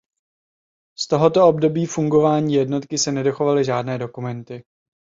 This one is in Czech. Z tohoto období fungování jednotky se nedochovaly žádné dokumenty.